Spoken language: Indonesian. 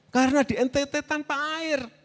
karena di ntt tanpa air